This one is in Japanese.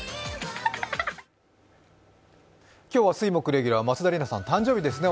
今日は水・木レギュラー、松田里奈さん、誕生日ですね。